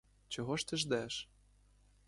Чого ж ти ждеш?